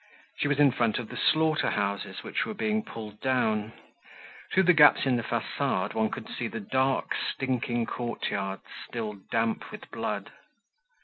She was in front of the slaughter houses which were being pulled down; through the gaps in the facade one could see the dark, stinking courtyards, still damp with blood.